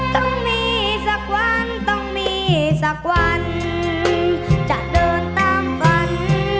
ต้องมีสักวันต้องมีสักวันจะเดินตามฝัน